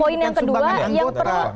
ini bukan sumbangan anggota